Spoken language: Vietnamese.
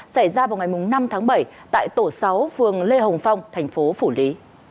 xảy ra vào ngày năm tháng bảy tại tổ sáu phường lê hồng phong thành phố phủ lý